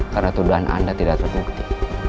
karena tuduhan anda tidak terbukti